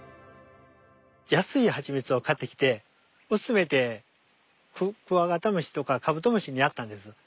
安いハチミツを買ってきて薄めてクワガタムシとかカブトムシにやったんです。